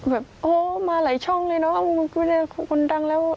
แบบโฮมาหลายช่องเลยนะคุณดังแล้ว